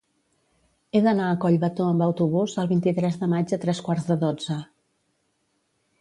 He d'anar a Collbató amb autobús el vint-i-tres de maig a tres quarts de dotze.